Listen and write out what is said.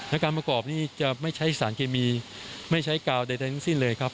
และการประกอบนี้จะไม่ใช้สารเคมีไม่ใช้กาวใดทั้งสิ้นเลยครับ